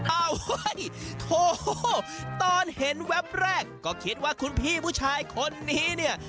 โอ้โหโถตอนเห็นแวบแรกก็คิดว่าคุณพี่ผู้ชายคนนี้เนี่ย